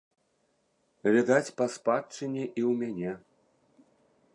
Відаць, па спадчыне і ў мяне.